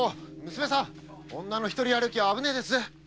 娘さん女の一人歩きは危ないですぜ。